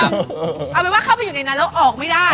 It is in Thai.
เอาเป็นว่าเข้าไปอยู่ในนั้นแล้วออกไม่ได้